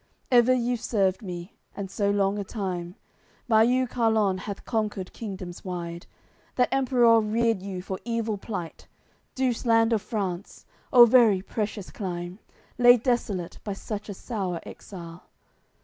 Ever you've served me, and so long a time, By you Carlon hath conquered kingdoms wide; That Emperour reared you for evil plight! Douce land of France, o very precious clime, Laid desolate by such a sour exile!